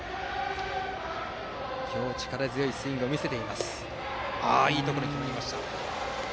今日、力強いスイングを見せています。